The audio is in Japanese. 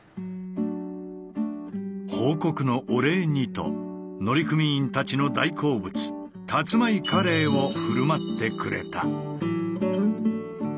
報告のお礼にと乗組員たちの大好物「たつまいカレー」を振る舞ってくれた。